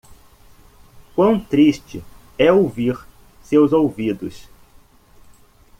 Quão triste é ouvir seus ouvidos.